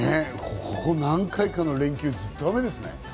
ここ何回かの連休、ずっと雨ですね。